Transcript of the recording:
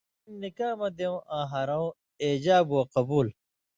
لیکن نِکاح مہ دېوں آں ہرؤں (ایجاب و قبُول)